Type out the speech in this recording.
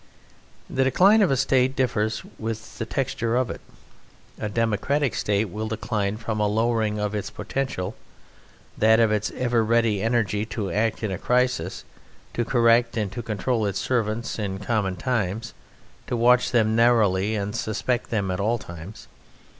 The decline of a State differs with the texture of it. A democratic State will decline from a lowering of its potential, that is of its ever ready energy to act in a crisis, to correct and to control its servants in common times, to watch them narrowly and suspect them at all times.